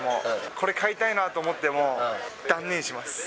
これ買いたいなと思っても断念します。